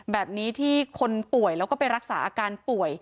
แบบนี้ที่คนป่วยแล้วก็ไปรักษาอาการป่วย